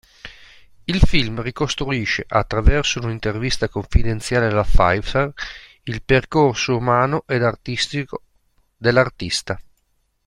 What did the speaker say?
Il film ricostruisce, attraverso un'intervista confidenziale alla Pfeiffer, il percorso umano ed artistico dell'artista.